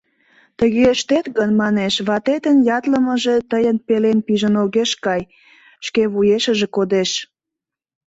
Тыге ыштет гын, манеш, ватетын ятлымыже тыйын пелен пижын огеш кай, шке вуешыже кодеш...